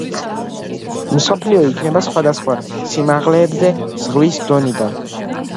მსოფლიო იქმნება სხვადასხვა სიმაღლეებზე ზღვის დონიდან.